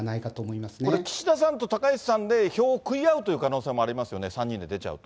これ、岸田さんと高市さんで票を食い合うという可能性もありますよね、３人で出ちゃうと。